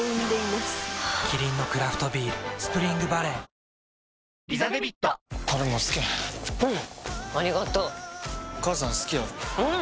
キリンのクラフトビール「スプリングバレー」新「グリーンズフリー」